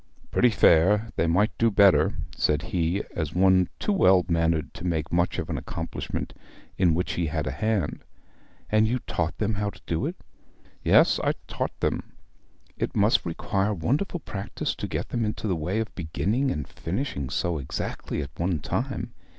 'Pretty fair; they might do better,' said he, as one too well mannered to make much of an accomplishment in which he had a hand. 'And you taught them how to do it?' 'Yes, I taught them.' 'It must require wonderful practice to get them into the way of beginning and finishing so exactly at one time.